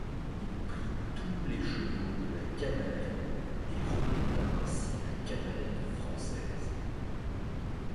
Il prit tous les chevaux de la cavalerie, et remonta ainsi la cavalerie française.